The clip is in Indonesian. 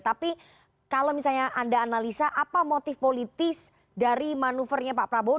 tapi kalau misalnya anda analisa apa motif politis dari manuvernya pak prabowo